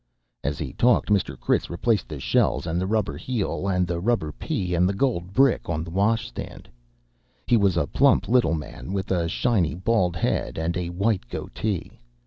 As he talked, Mr. Critz replaced the shells and the rubber heel and the rubber pea and the gold brick on the washstand. He was a plump little man with a shiny bald head and a white goatee.